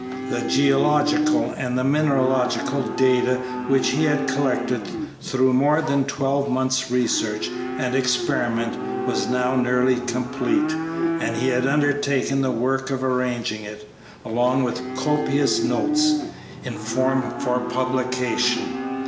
The geological and mineralogical data which he had collected through more than twelve months' research and experiment was now nearly complete, and he had undertaken the work of arranging it, along with copious notes, in form for publication.